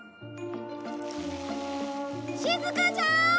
しずかちゃん！